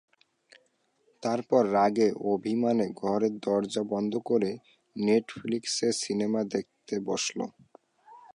তারপর রাগে, অভিমানে ঘরের দরজা বন্ধ করে নেটফ্লিক্সে সিনেমা দেখতে বসল।